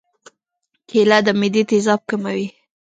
کېله د معدې تیزاب کموي.